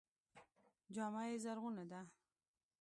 جامه یې زرغونه ده.